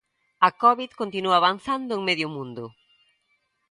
A covid continúa avanzando en medio mundo.